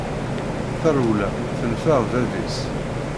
Tarewla tenfeɛ bab-is!